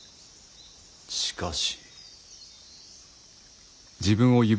しかし。